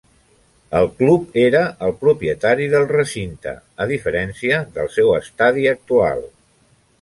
El club era el propietari del recinte, a diferència del seu estadi actual.